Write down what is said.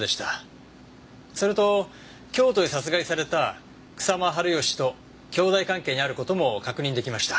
それと京都で殺害された草間治義と兄弟関係にある事も確認出来ました。